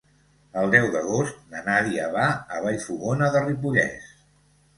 El deu d'agost na Nàdia va a Vallfogona de Ripollès.